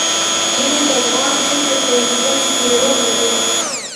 ژمی د افغان ښځو په ژوند کې رول لري.